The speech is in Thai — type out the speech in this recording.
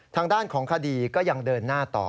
ทางด้านของคดีก็ยังเดินหน้าต่อ